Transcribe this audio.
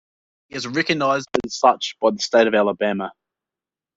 He is recognized as such by the state of Alabama.